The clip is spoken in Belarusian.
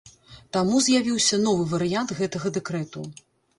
Таму з'явіўся новы варыянт гэтага дэкрэту.